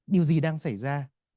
điều gì đang xảy ra